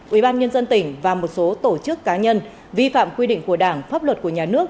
ủy ban nhân dân tỉnh và một số tổ chức cá nhân vi phạm quy định của đảng pháp luật của nhà nước